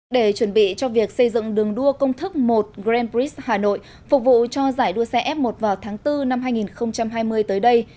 để chuẩn bị cho việc xây dựng đường đua công thức một grandbrid hà nội phục vụ cho giải đua xe f một vào tháng bốn năm hai nghìn hai mươi tới đây